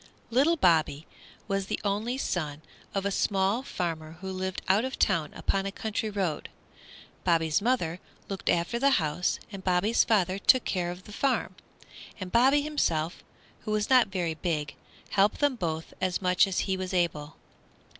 Little Bobby was the only son of a small farmer who lived out of town upon a country road. Bobby's mother looked after the house and Bobby's father took care of the farm, and Bobby himself, who was not very big, helped them both as much as he was able.